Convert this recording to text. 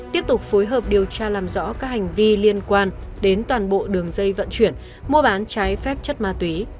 tiếp tục phối hợp điều tra làm rõ các hành vi liên quan đến toàn bộ đường dây vận chuyển mua bán trái phép chất ma túy